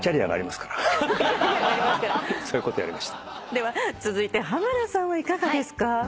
では続いて濱田さんはいかがですか？